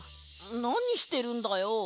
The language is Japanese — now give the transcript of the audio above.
なにしてるんだよ？